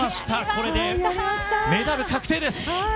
これでメダル確定です！